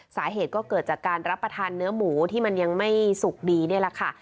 สาเหตุก็เกิดจากการรับประทานเนื้อหมูที่มันยังไม่สุกดีนี่แหละค่ะ